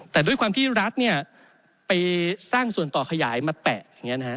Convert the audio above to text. แต่ด้วยความที่รัฐไปสร้างส่วนต่อขยายมาแปะ